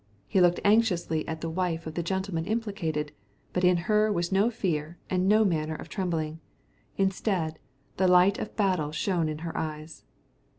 He looked anxiously at the wife of the gentleman implicated, but in her was no fear and no manner of trembling. Instead, the light of battle shone in her eyes.